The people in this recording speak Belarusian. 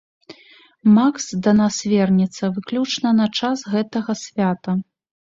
Макс да нас вернецца выключна на час гэтага свята.